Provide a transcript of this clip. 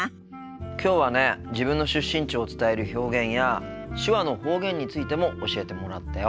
きょうはね自分の出身地を伝える表現や手話の方言についても教えてもらったよ。